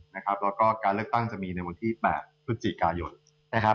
แล้วก็การเลือกตั้งจะมีในวันที่๘ธุรกิจกายน